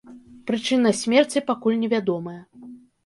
Прычына смерці пакуль невядомая.